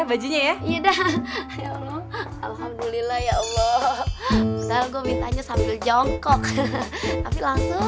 bajunya ya iya dah ya allah alhamdulillah ya allah nanti gue minta sambil jongkok langsung dikabulin